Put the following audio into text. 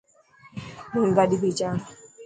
ريل گاڏي ڀيچاڙ.